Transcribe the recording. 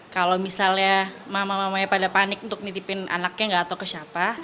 kalau misalnya mama mamanya pada panik untuk nitipin anaknya nggak tahu ke siapa